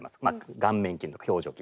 顔面筋とか表情筋とか。